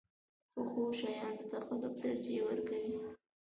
پخو شیانو ته خلک ترجیح ورکوي